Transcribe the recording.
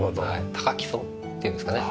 高基礎っていうんですかね。